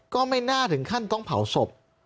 ก็ไม่น่าถึงขั้นต้องเผาศพ